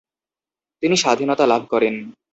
তিনি স্বাধীনতা লাভ করেন।